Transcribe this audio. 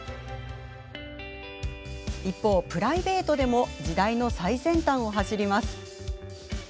一方、プライベートでも時代の最先端を走ります。